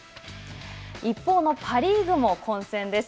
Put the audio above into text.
一方のパ・リーグも混戦です。